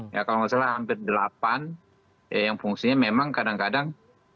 ya kalau nggak salah hampir delapan yang fungsinya memang kadang kadang